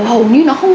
hầu như nó không